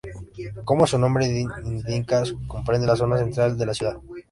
Como su nombre indica, comprende la zona central de la ciudad.